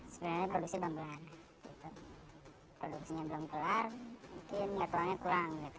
sebenarnya produksi belum kelar produksinya belum kelar mungkin kekurangnya kekurang gitu